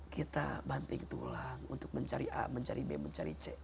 kita banting tulang untuk mencari a mencari b mencari c